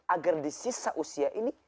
agar di sisa usia ini